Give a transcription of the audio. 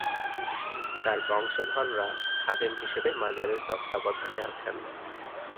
তার বংশধররা খাদেম হিসেবে মাজারের তত্ত্বাবধানে আছেন।